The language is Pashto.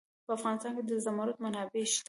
په افغانستان کې د زمرد منابع شته.